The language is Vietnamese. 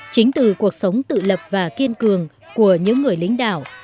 chính từ cuộc sống tự lập và kiên cường của những người lính đảo